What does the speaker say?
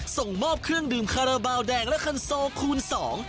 ส่งมอบเครื่องดื่มคาราบาลแดงและคันโซคูณสอง